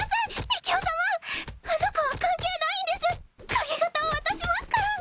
鍵型を渡しますから！